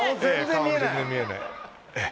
顔全然見えないええ